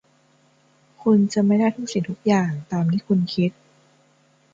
คุณจะไม่ได้ทุกสิ่งทุกอย่างตามที่คุณคิด